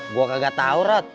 gue kagak tahu rod